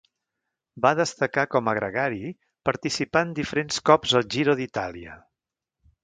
Va destacar com a gregari, participant diferents cops al Giro d'Itàlia.